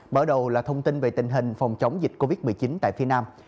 bắt đầu là thông tin về tình hình phòng chống dịch covid một mươi chín tại phía nam